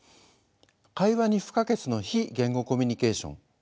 会話に不可欠の非言語コミュニケーション。